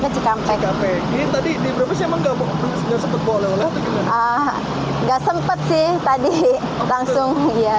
ke ckp ini tadi di venice engang gak hombre barre enggak sempet seng tadi administratif langsung